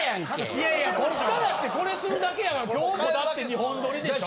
いやいやこっからってこれするだけやから今日もだって２本撮りでしょ？